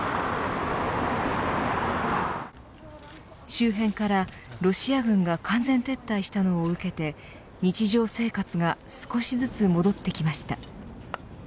周辺からロシア軍が完全撤退したのを受けて日常生活が少しずつ戻ってきました。